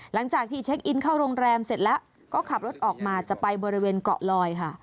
หลังจากที่เช็คอินเข้าโรงแรมเสร็จแล้วก็ขับรถออกมาจะไปบริเวณเกาะลอยค่ะ